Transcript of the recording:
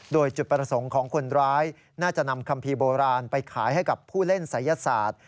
โดยจุดประสงค์ของคนร้ายน่าจะนำคัมภีร์โบราณไปขายให้กับผู้เล่นศัยศาสตร์